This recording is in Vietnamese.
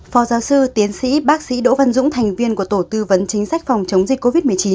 phó giáo sư tiến sĩ bác sĩ đỗ văn dũng thành viên của tổ tư vấn chính sách phòng chống dịch covid một mươi chín